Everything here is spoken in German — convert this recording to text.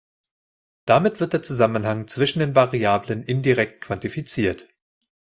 Damit wird der Zusammenhang zwischen den Variablen indirekt quantifiziert.